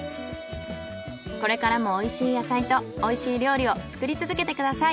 これからもおいしい野菜とおいしい料理を作り続けてください。